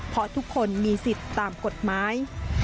เพราะทุกคนมีสิทธิ์ตามกฎหมาย